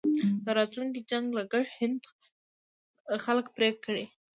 د راتلونکي جنګ لګښت هند خلک پرې کړي.